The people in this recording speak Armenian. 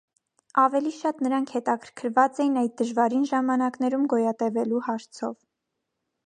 Ավելի շատ նրանք հետաքրքրված էին այդ դժվարին ժամանակներում գոյատևելու հարցով։